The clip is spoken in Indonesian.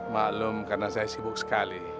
maklum karena saya sibuk sekali